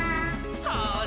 「ほら」